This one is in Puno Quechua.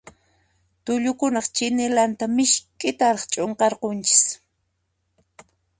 Tullukunaq chinillunta misk'itaraq ch'unqarqunchis.